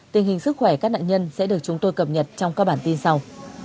tình hình sức khỏe các nạn nhân sẽ được chúng tôi cập nhật trong các bản tin sau